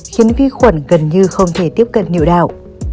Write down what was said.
khiến vi khuẩn gần như không thể tiếp cận liệu đạo